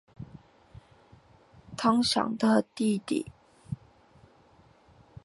韩绛的弟弟。